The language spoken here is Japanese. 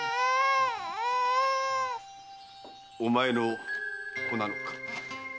お前の子なのか？